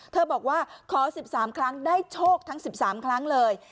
เธอบอกว่าขอสิบสามครั้งได้โชคทั้งสิบสามครั้งเลย